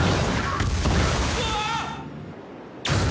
うわあっ！